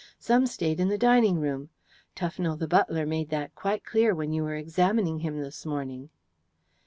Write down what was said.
"Some stayed in the dining room. Tufnell, the butler, made that quite clear when you were examining him this morning."